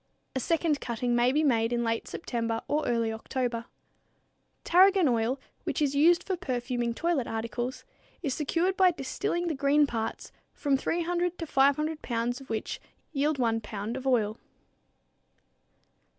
A second cutting may be made in late September or early October. Tarragon oil, which is used for perfuming toilet articles, is secured by distilling the green parts, from 300 to 500 pounds of which yield one pound of oil.